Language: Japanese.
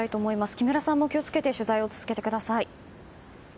木村さんも、気を付けて取材を続けてください。